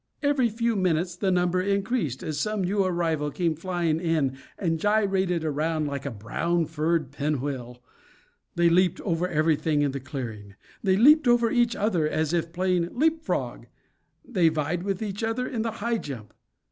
Every few minutes the number increased, as some new arrival came flying in and gyrated around like a brown fur pinwheel. They leaped over everything in the clearing; they leaped over each other as if playing leap frog; they vied with each other in the high jump.